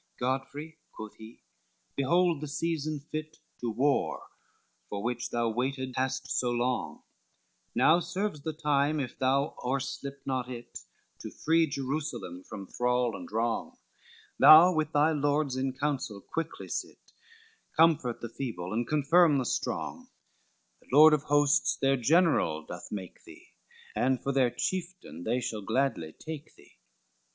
XVI "Godfrey," quoth he, "behold the season fit To war, for which thou waited hast so long, Now serves the time, if thou o'erslip not it, To free Jerusalem from thrall and wrong: Thou with thy Lords in council quickly sit; Comfort the feeble, and confirm the strong, The Lord of Hosts their general doth make thee, And for their chieftain they shall gladly take thee.